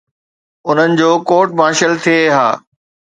انهن جو court martial ٿئي ها.